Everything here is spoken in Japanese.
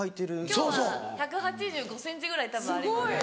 今日は１８５ｃｍぐらいたぶんあります。